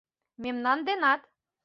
— Мемнан денат.